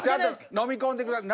飲み込んでください。